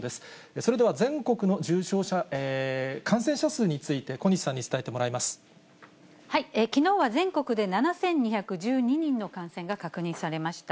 それでは全国の感染者数について、きのうは全国で７２１２人の感染が確認されました。